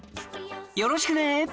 よろしくね！